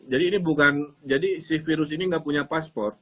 jadi ini bukan jadi si virus ini nggak punya pasport